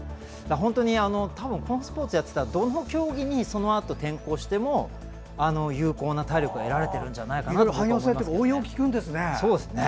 本当にこのスポーツやってたらどの競技にそのあと転向しても有効な体力が得られているんじゃないかなと思いますね。